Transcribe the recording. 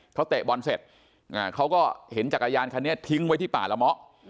เขาเตะบอลเสร็จเขาก็เห็นจักรยานคันนี้ทิ้งไว้ที่ป่าละเมาะ